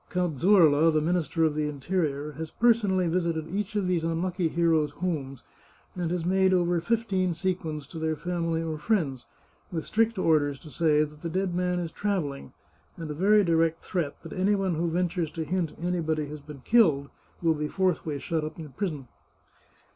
Count Zurla, the Minister of the Interior, has personally visited each of these unlucky heroes' homes, and has made over fifteen sequins to their family or friends, with strict orders to say that the dead man is travelling, and a very direct threat that any one who ventures to hint anybody has been killed will be forthwith shut up in prison.